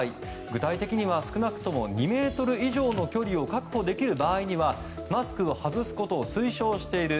具体的には少なくとも２ｍ以上の距離を確保できる場合にはマスクを外すことを推奨している。